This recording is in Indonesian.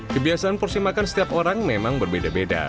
kebiasaan porsi makan setiap orang memang berbeda beda